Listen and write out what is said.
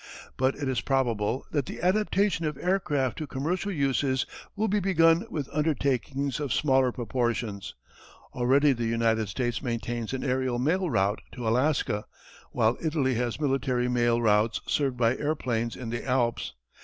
But it is probable that the adaptation of aircraft to commercial uses will be begun with undertakings of smaller proportions. Already the United States maintains an aërial mail route in Alaska, while Italy has military mail routes served by airplanes in the Alps.